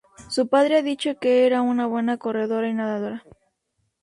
Su padre ha dicho que era una buena corredora y nadadora.